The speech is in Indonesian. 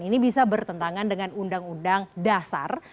ini bisa bertentangan dengan undang undang dasar